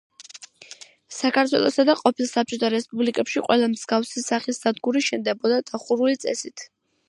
საქართველოსა და ყოფილ საბჭოთა რესპუბლიკებში ყველა მსგავსი სახის სადგური შენდებოდა დახურული წესით.